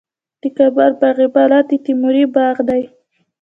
د کابل باغ بالا د تیموري باغ دی